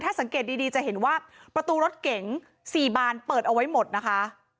สังเกตดีจะเห็นว่าประตูรถเก๋ง๔บานเปิดเอาไว้หมดนะคะ